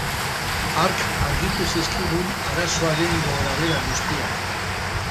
Hark argitu zizkigun arazoaren gorabehera guztiak.